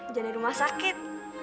jangan rumah sakit